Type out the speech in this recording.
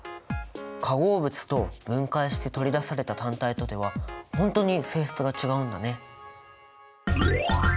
化合物と分解して取り出された単体とでは本当に性質が違うんだね。